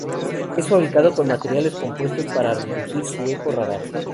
Está fabricado con materiales compuestos para reducir su eco radar.